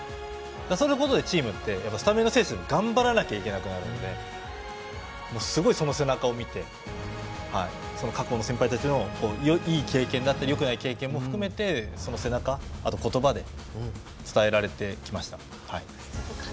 そのことでスタメンの選手は頑張らなきゃいけなくなるのですごい、その背中を見て過去の先輩たちのいい経験、よくない経験を含めて背中と言葉で伝えられてきました。